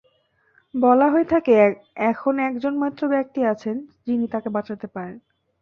বলা হয়ে থাকে, এখন একজন মাত্র ব্যক্তি আছেন, যিনি তাঁকে বাঁচাতে পারেন।